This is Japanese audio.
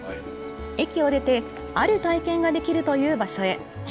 駅を出て、ある体験ができるという場所へ。